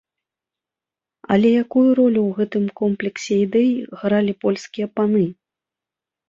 Але якую ролю ў гэтым комплексе ідэй гралі польскія паны?